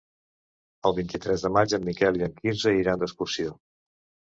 El vint-i-tres de maig en Miquel i en Quirze iran d'excursió.